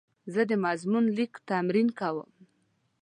زه د مضمون لیک تمرین کوم.